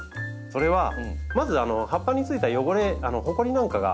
それはまず葉っぱについた汚れほこりなんかが落ちます。